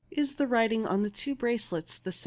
"Is the writing on the two bracelets the same?"